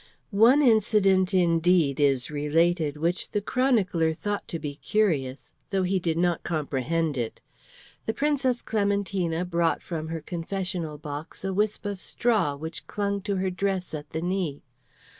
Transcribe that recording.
One incident, indeed, is related which the chronicler thought to be curious, though he did not comprehend it. The Princess Clementina brought from her confessional box a wisp of straw which clung to her dress at the knee.